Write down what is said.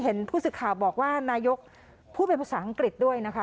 ผู้สื่อข่าวบอกว่านายกพูดเป็นภาษาอังกฤษด้วยนะคะ